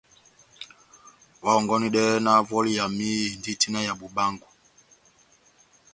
Oháhɔngɔnedɛhɛ vɔli yami endi tina ya bobaángo.